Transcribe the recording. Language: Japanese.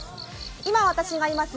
今、私がいます